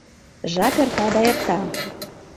Жап эрта да эрта.